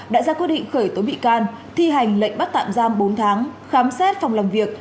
đã ra quyết định khởi tố bị can thi hành lệnh bắt tạm giam bốn tháng khám xét phòng làm việc